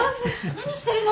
何してるの？